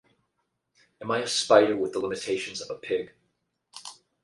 Am I a spider with the limitations of a pig?